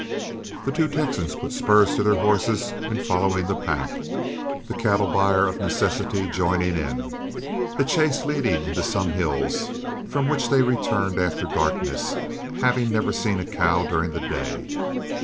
The two Texans put spurs to their horses in following the pack, the cattle buyer of necessity joining in, the chase leading into some hills, from which they returned after darkness, having never seen a cow during the day.